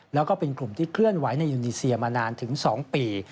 แล้วก็เป็นกลุ่มที่เคลื่อนไหวในอินีเซียมานานถึง๒ปี